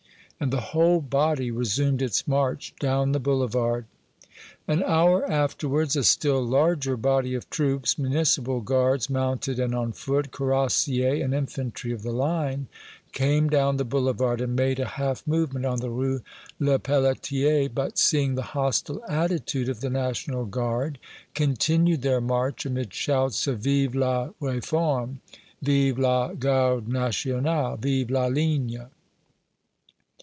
And the whole body resumed its march down the Boulevard. An hour afterwards a still larger body of troops, Municipal Guards mounted and on foot, cuirassiers and infantry of the Line, came down the Boulevard and made a half movement on the Rue Lepelletier, but, seeing the hostile attitude of the National Guard, continued their march amid shouts of "Vive la Réforme!" "Vive la Garde Nationale!" "Vive la Ligne!"